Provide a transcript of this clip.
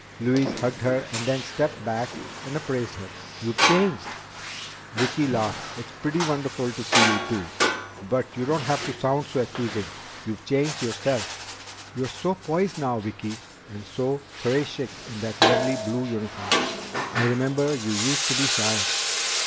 Louise hugged her and then stepped back and appraised her. "You've changed!" Vicki laughed. "It's pretty wonderful to see you, too. But you don't have to sound so accusing. You've changed yourself!" "You're so poised now, Vicki, and so très chic in that lovely blue uniform. I remember you used to be shy."